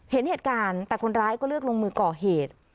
เห็นเหตุการณ์แต่คนร้ายก็เลือกลงมือก่อเหตุ